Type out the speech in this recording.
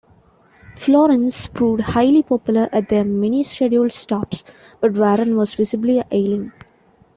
Florence proved highly popular at their many scheduled stops, but Warren was visibly ailing.